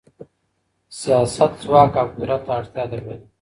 سیاست ځواک او قدرت ته اړتیا درلوده.